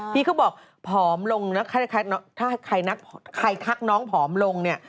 ที่เขาบอกผอมลงนะถ้าใครทักน้องผอมลงเนี่ย